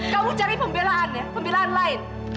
kamu cari pembelaan ya pembelaan lain